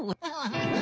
ハハハ！